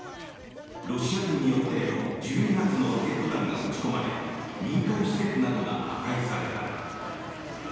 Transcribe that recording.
ロシア軍によって１２発のロケット弾が撃ち込まれ民間施設などが破壊された。